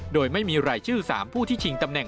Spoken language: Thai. โดยไม่มีรายชื่อ๓ผู้ที่ชิงตำแหน